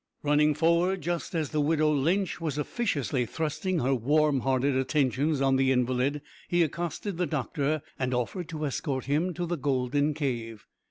Running forward just as the widow Lynch was officiously thrusting her warm hearted attentions on the invalid, he accosted the doctor, and offered to escort him to the golden cave.